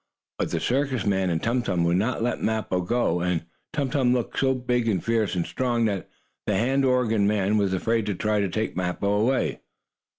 But the circus men and Tum Tum would not let Mappo go. And Tum Tum looked so big and fierce and strong that the hand organ man was afraid to try to take Mappo away.